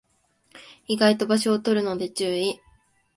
意外と場所を取るので注意